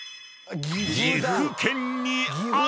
［岐阜県にある］